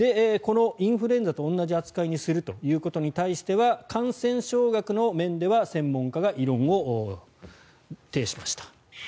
このインフルエンザと同じ扱いにするということに関しては感染症学の面では専門家が異論を呈しました。